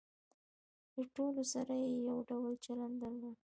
له ټولو سره یې یو ډول چلن درلود.